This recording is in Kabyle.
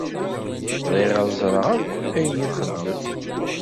Bɣiɣ ad ẓṛeɣ akk ayen i txedmem.